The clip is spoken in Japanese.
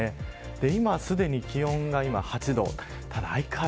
今、すでに気温が８度。